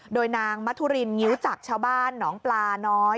โดยนางมัธุรินงิ้วจักรชาวบ้านหนองปลาน้อย